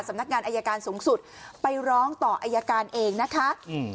สำนักงานอายการสูงสุดไปร้องต่ออายการเองนะคะอืม